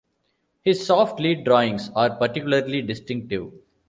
His soft lead drawings are particularly distinctive.